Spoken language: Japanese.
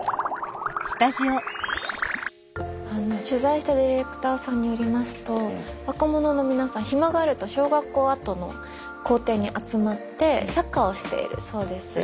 取材したディレクターさんによりますと若者の皆さん暇があると小学校跡の校庭に集まってサッカーをしているそうです。